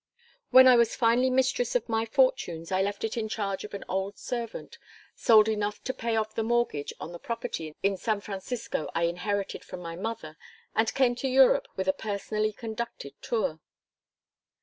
When I was finally mistress of my fortunes I left it in charge of an old servant, sold enough to pay off the mortgage on a property in San Francisco I inherited from my mother, and came to Europe with a personally conducted tour."